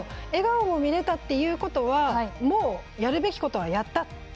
笑顔も見れたっていうことはもう、やるべきことはやった。